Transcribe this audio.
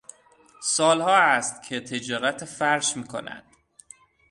سالها است که تجارت فرش میکند.